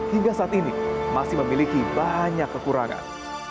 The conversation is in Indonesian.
hingga saat ini masih memiliki banyak kekurangan